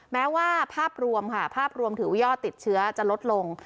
แม้ว่าภาพรวมค่ะภาพรวมถือว่ายอดติดเชื้อจะลดลง